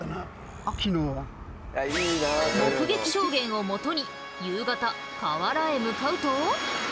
目撃証言をもとに夕方河原へ向かうと。